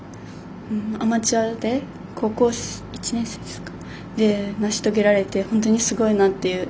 アマチュアで高校１年生ですか、それで成し遂げられて本当にすごいなっていう。